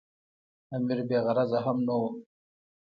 امیر بې غرضه هم نه وو.